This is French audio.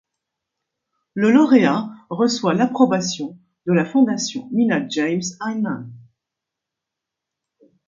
Le lauréat reçoit l'approbation de la Fondation Minna-James-Heineman.